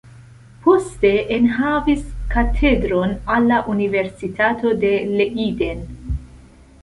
Poste enhavis katedron al la universitato de Leiden.